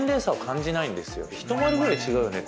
「ひと回りぐらい違うよね？」